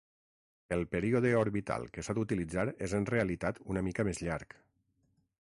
El període orbital que s'ha d'utilitzar és en realitat una mica més llarg.